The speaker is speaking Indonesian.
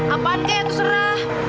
apaan kek terserah